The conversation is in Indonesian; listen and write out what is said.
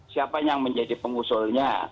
siapa yang menjadi pengusulnya